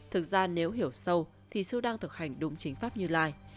thực ra nếu hiểu sâu thì sư đang thực hành đúng chính pháp như lai